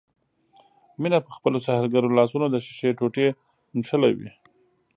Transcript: مينه په خپلو سحرګرو لاسونو د ښيښې ټوټې نښلوي.